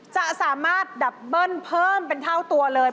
จะสามารถดับเบิ้ลเพิ่มเป็นเท่าตัวเลย